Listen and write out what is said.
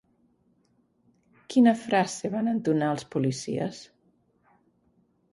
Quina frase van entonar els policies?